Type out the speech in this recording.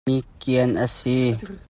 Mi khiam a si.